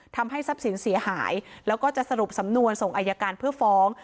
ทำให้ทรัพย์สินเสียหายแล้วก็จะสรุปสำนวนส่งอายการเพื่อฟ้อง